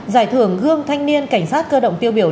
giải thưởng gương thanh niên cảnh sát cơ động tiêu biểu